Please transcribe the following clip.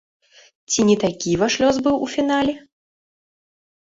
Ці не такі ваш лёс быў у фінале?